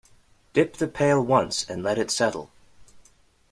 Dip the pail once and let it settle.